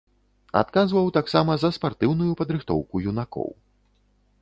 Адказваў таксама за спартыўную падрыхтоўку юнакоў.